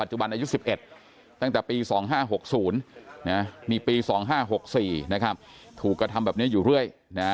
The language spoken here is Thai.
จุบันอายุ๑๑ตั้งแต่ปี๒๕๖๐นี่ปี๒๕๖๔ถูกกระทำแบบนี้อยู่เรื่อย